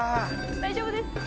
大丈夫です。